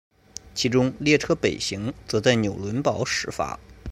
其中列车北行则在纽伦堡始发。